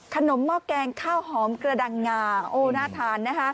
หม้อแกงข้าวหอมกระดังงาโอ้น่าทานนะคะ